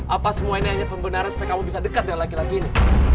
apa semua ini hanya pembenaran supaya kamu bisa dekat dengan laki laki ini